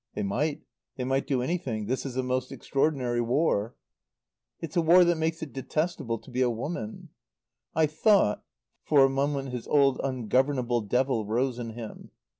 "They might. They might do anything. This is a most extraordinary war." "It's a war that makes it detestable to be a woman." "I thought " For a moment his old ungovernable devil rose in him.